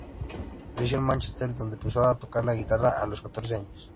Creció en Mánchester, donde empezó a tocar la guitarra a los catorce años.